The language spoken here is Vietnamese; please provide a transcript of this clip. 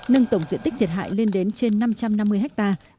nâng tổng diện tích thiệt hại lên đến trên năm trăm năm mươi hectare